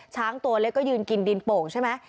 ช้างตัวเล็กก็ยืนกินดินโป่งใช่ไหม